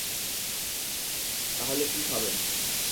তাহলে কী খাবেন?